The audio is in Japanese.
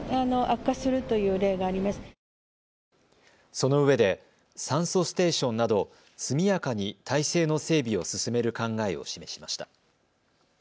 そのうえで酸素ステーションなど、速やかに体制の整備を進める考えを示しました。